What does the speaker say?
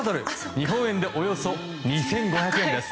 日本円でおよそ２５００円です。